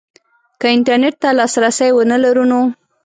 که انترنټ ته لاسرسی ونه لرو نو